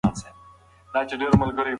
تغذيه د ماشوم وده پیاوړې کوي.